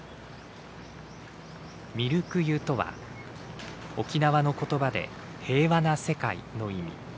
みるく世とは沖縄の言葉で平和な世界の意味。